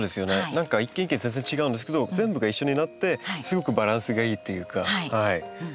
何か一見全然違うんですけど全部が一緒になってすごくバランスがいいっていうか。